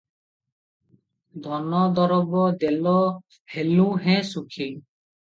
ଧନଦରବ ଦେଲ ହେଲୁଁ ହେ ସୁଖୀ